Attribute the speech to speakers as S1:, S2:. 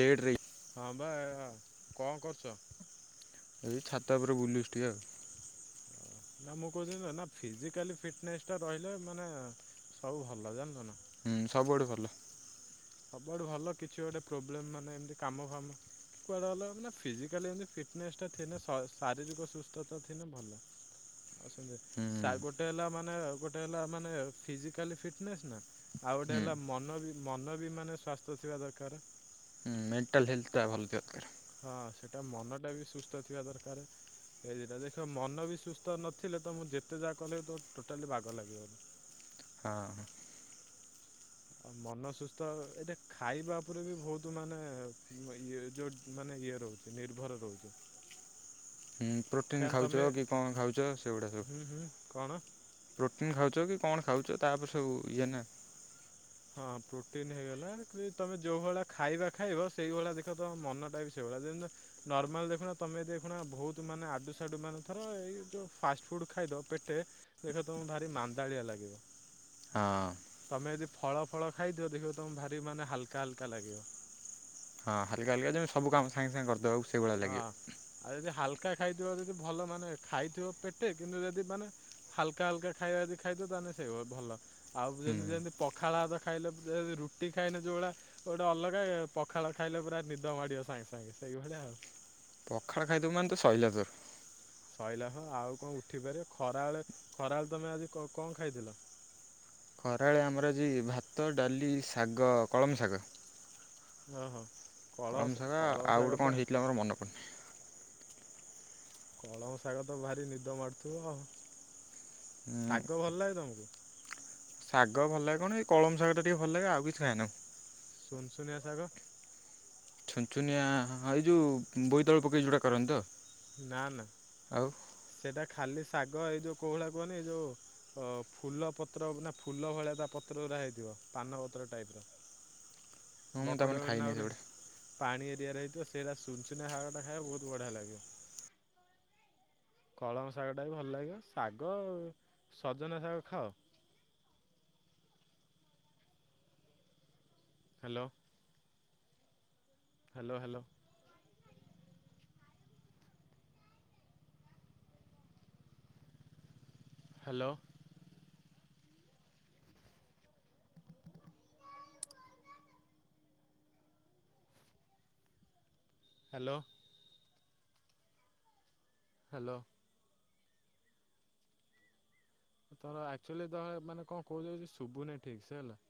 S1: Late ରେ
S2: ହଁ ବା କ କରୁଛ?
S1: ଏଇ ଛାତ ଉପରେ ବୁଲୁଥିଲୀ ଆଉ।
S2: ମୁଁ କହିଲି ମାନେ ଫିଜିକାଲି ଫିଟନେସ ଟା ରହିଲେ ମାନେ ସବୁ ଭଲ ଜାଣିଛୁ ନା?
S1: ହୁଁ ସବୁଆଡୁ ଭଲ।
S2: ସବୁଆଡୁ ଭଲ କିଛି ଗୋଟେ ପ୍ରୋବ୍ଲେମ ମାନେ ଏମତି କାମ ଫାମ କୁଆଡେ ମାନେ ଫିଜିକାଲଏମିତି ଫିଟନେସ୍ ଟା ଥିଲେ ସ ଶାରୀରିକ ସୁସ୍ଥତା ଥିଲେ ଭଲ।
S1: ହୁଁ
S2: ସାଉ
S1: ହୁଁ
S2: ଗୋଟେ ହେଲା ମାନେ ଆଉ ଗୋଟେ ହେଲା ମାନେ ଫିଜିକାଲ ଫିଟନେସ ନା? ଆଉ ଗୋଟେ ହେଲା ମନ ବି ମନ ବି ମାନେ ସ୍ଵାସ୍ଥ ଥିବା ଦରକାର।
S1: ମେଣ୍ଟା୍ଲ ହେଲ୍ଥଟା ଭଲ ଥିବା ଦରକାର।
S2: ହଁ ସେଟା ମନଟା ବି ସୁସ୍ଥ ଥିବା ଦରକାର। ଏଇ ଦିଟା ଦେଖ ମନ ବି ସୁସ୍ଥ ନଥିଲେ ତ ମୁଁ ଯେତେ ଯାହା କଲେ ତ ଟୋଟାଲି ବାଗ ଲାଗିବନି।
S1: ହଁ ହଁ।
S2: ଆଉ ମନ ସୁସ୍ଥ ଏଟା ଖାଇବା ଉପରେ ବି ବହୁତ ମାନେ ଇଏ ଯୋଉ ମାନେ ଇଏ ରହୁଛି। ନିର୍ଭର ରହୁଛେ।
S1: ହୁଁ ପ୍ରୋଟିନ୍ ଖାଉଛ କି କଣ ଖାଉଛ? ସେଗୁଡ଼ା ସବୁ।
S2: ହୁଁ ହୁଁ କଣ
S1: ପ୍ରୋଟିନ ଖାଉଛ କି କଣ ଖାଉଛ ତାପରେ ସବୁ ଇଏ ନା?
S2: ହଁ ପ୍ରୋଟିନ ହେଇଗଲା କି ତମେ ଯୋଉ ଭଳିଆ ଖାଇବା ଖାଇବ ସେଇଭଳିଆ ଦେଖ ତ ମନଟା ବି ସେଇଭଳିଆ ଯେମିତି ନର୍ମାଲ ଦେଖୁନ ତମେ ଦେଖୁଣା ବହୁତ ମାନେ ଆଡୁ ସାଡୁ ମାନେ ଥର ଏଇ ଯୋଉ ଫାଷ୍ଟ ଫୁଡ ଖାଇଦ ପେଟେ ଦେଖ ତମେ ଭାରି ମାନ୍ଦାଳିଆ ଲାଗିବ।
S1: ହଁ।
S2: ତମେ ଯଦି ଫଳ ଫଳ ଖାଇଥିବ ଦେଖିବ ତମେ ଭାରି ମାନେ ହାଲକା ହାଲକା ଲାଗିବ।
S1: ହଁ ହାିକାଲିକାମି ସବୁାମ ସାଙ୍ଗେ ସାଙ୍ଗ କରିଦ
S2: ହଁ ଆଉ ଯଦି ହାଲକା ଖାଇଥିବ ଯଦି ଭଲ ମାନେ ଖାଇଥିବ ପେଟେ କିନ୍ତୁ ଯଦି ମାନେ। ହାଲକା ହାଲକା ଖାଇବା ଯଦି ଖାଇଦ ତାହେଲେ ସେଇ ଭଲ। ଆଉ
S1: ହୁଁ
S2: ଯେମିତି ଯେମିତି ପଖାଳ ହାତ ଖାଇଲେ ରୁଟି ଖାଇଲେ ଯୋଉ ଭଳିଆ। ଗୋଟେ ଅଲଗା ପଖାଳ ଖାଇଲେ ପୁରା ନିଦ ମାଡିବ ସାଙ୍ଗେ ସାଙ୍ଗେ ସେଇଭଳିଆ ଆଉ।
S1: ପଖାଳ ଖାଇଦବୁ ମାନ ତ ସରିଲା ଧରି।
S2: ଶଇଲା ହ ଆଉ କଣ ଉଠିପାରିବ? ଖରାଏଳେ ଖରାବେଳେ ତୁମେ ଆଜି କଣ ଖାଇଥିଲ?
S1: ଖରାଳେ ଆମର ଆଜି ଭାତ ଡାଲି ଶାଗ କଳମ ଶାଗ।
S2: ହଁ ହଁ।
S1: କଳମ ସାଗ ଆଉ ଗୋଟେ କଣ ହେଇଥିଲା ମୋର ମନେ ପଡୁନି।
S2: କଳମ ଶାଗ ତ ଭାରି ନିଦ ମାାରୁୁଥିବ ଆ ଶାଗ ଭଲ ଲାଗେ ତମକୁ।
S1: ଶାଗ ଭଲାଗେ କଣ ଏଇ କଳମ ଶାଗ ଟା ଟିକେ ଭଲ ଲାଗେ ଆଉ କିଛି ଖାଏ ନାଁ।
S2: ଶୁନ ଶୁନିଆସାଗ।
S1: ଛୁଞ୍ଚୁନିଆ ହଁ ଏଇ ଯେଉଁ ବୋଇତାଳୁ ପକେଇ ଯେଉଁଟା କରନ୍ତା ଆଉ।
S2: ନା ନା ସେଇଟା ଖାଲି ଶାଗ ଏଇ ଯୋଉ କୋହୁଳା କୁହନି ଏଇ ଯୋଉ। ଓ ଫୁଲ ପତ୍ର ନା ଫୁଲ ଭଳିଆ ତା ପତ୍ର ଗୁଡା ହେଇଥିବ ପାନପତ୍ର ଟାଇପ ର।
S1: ହ।
S2: ବକଡ଼ ନବ ହେ। ପାଣି ଏରିଆ ରହିଥିବ ସେଇଟା ସୁନଚୁନା ହାଗଟା ଖାଇବା ବହୁତ ବଢିଆ ଲାଗେ। କଳମ ଶାଗଟା ବି ଭଲ ଲାଗିବ ଶାଗ ସଜନା ଶାଗ ଖାଅ। Hello. Hello. Hello. Hello. Hello. ତମର ଆକ୍ଚୁଆଲିହେ ମାନେ କଣ କହୁଛି ଶୁଭୁନିଁ ଠିକ୍ ସେ ହେଲା।